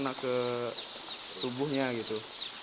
menak ke tubuhnya gitu